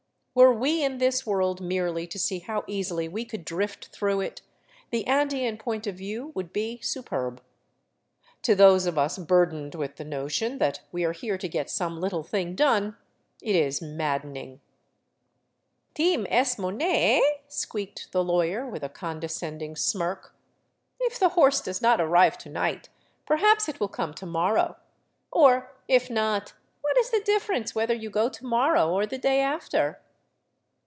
Were we in this world 393 VAGABONDING DOWN THE ANDES merely to see how easily we could drift through it, the Andean point of view would be superb ; to those of us burdened with the notion that we are here to get some little thing done, it is maddening. " Team ess mo nay, eh ?" squeaked the lawyer, with a condescend ing smirk. " If the horse does not arrive to night, perhaps it will come to morrow ; or if not, what is the difference whether you go to morrow, or the day after